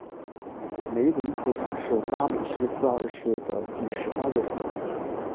梅伦普塔是拉美西斯二世的第十三位儿子。